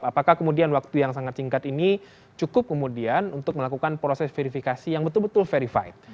apakah kemudian waktu yang sangat singkat ini cukup kemudian untuk melakukan proses verifikasi yang betul betul verified